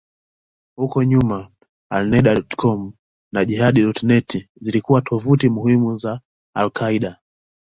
Huko nyuma, Alneda.com na Jehad.net zilikuwa tovuti muhimu zaidi za al-Qaeda.